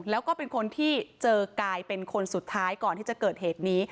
แล้วก็เป็นคนที่เจอกายเป็นคนสุดท้ายก่อนที่จะเกิดเหตุนี้